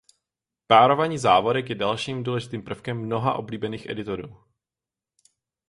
Párování závorek je dalším důležitým prvkem mnoha oblíbených editorů.